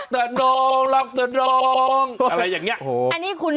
สกิดยิ้ม